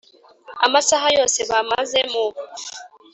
Amasaha yose bamaze mu